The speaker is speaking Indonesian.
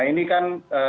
nah ini kan luar biasa